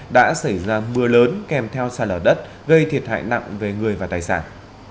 đã xảy ra mưa lớn kèm theo sạt lở đất gây thiệt hại nặng về người và tài sản